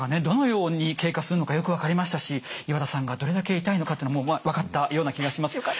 どのように経過するのかよく分かりましたし岩田さんがどれだけ痛いのかというのも分かったような気がします。